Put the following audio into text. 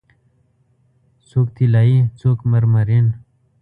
څوک طلایې، څوک مرمرین